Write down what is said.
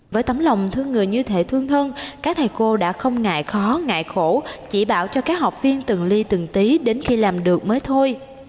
với tấm lòng thương người như thể thương thân các thầy cô đã không ngại khó ngại khổ chỉ bảo cho các học viên từng ly từng tí đến khi làm được mới thôi